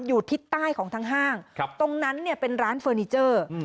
ทิศใต้ของทางห้างตรงนั้นเนี่ยเป็นร้านเฟอร์นิเจอร์